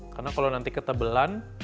karena kalau nanti ketebelan